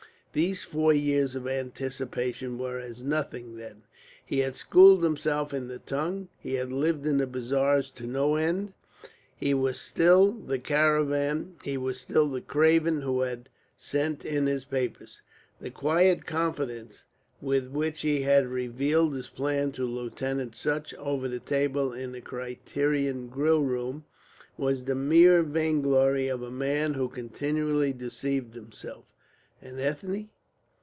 These four years of anticipation were as nothing, then? He had schooled himself in the tongue, he had lived in the bazaars, to no end? He was still the craven who had sent in his papers? The quiet confidence with which he had revealed his plan to Lieutenant Sutch over the table in the Criterion grill room was the mere vainglory of a man who continually deceived himself? And Ethne?...